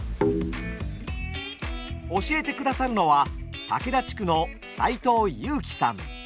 教えてくださるのは竹田地区の齋藤悠輝さん。